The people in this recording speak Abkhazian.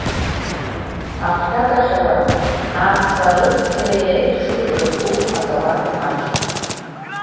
Ахәҭакахьала, ацха арыцқьареи аихшареи ирызку азауад маҷ.